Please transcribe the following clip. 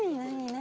何？